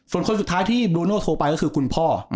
ส่วนคนสุดท้ายที่บลูโน่โทรไปก็คือคุณพ่อ